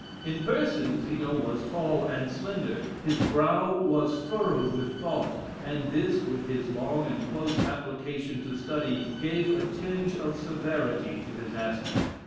In person, Zeno was tall and slender; his brow was furrowed with thought; and this, with his long and close application to study, gave a tinge of severity to his aspect.